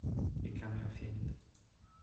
The Camera Fiend